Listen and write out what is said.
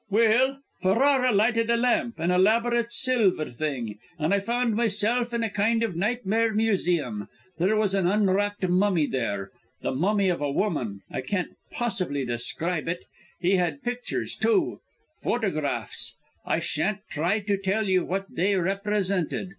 "Well Ferrara lighted a lamp, an elaborate silver thing, and I found myself in a kind of nightmare museum. There was an unwrapped mummy there, the mummy of a woman I can't possibly describe it. He had pictures, too photographs. I shan't try to tell you what they represented.